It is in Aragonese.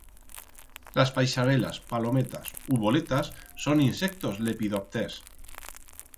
Las paixarelas, palometas u voletas son insectos lepidopters.